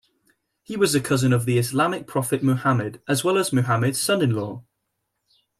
He was a cousin of the Islamic prophet Muhammad as well as Muhammad's son-in-law.